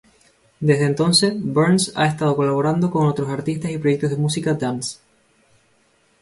Desde entonces, Burns ha estado colaborando con otros artistas y proyectos de música dance.